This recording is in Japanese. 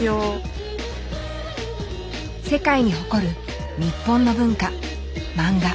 世界に誇る日本の文化マンガ。